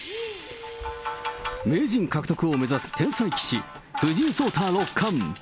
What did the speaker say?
名人獲得を目指す天才棋士、藤井聡太六冠。